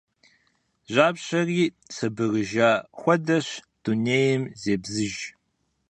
Жьапщэри сабырыжа хуэдэщ. Дунейм зебзыж.